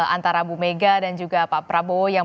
antara bu mega dan juga pak prabowo yang